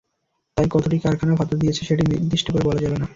তাই কতটি কারখানা ভাতা দিয়েছে, সেটি নির্দিষ্ট করে বলা যাবে না।